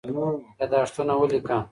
یادښتونه ولیکه.